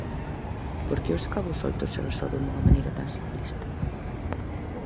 Por que os cabos soltos se resolven dunha maneira tan simplista?